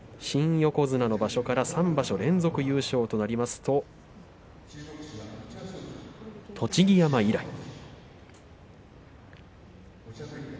新横綱の場所から３場所連続優勝となりますと栃木山以来。